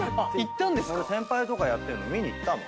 先輩とかやってるの見に行ったもん。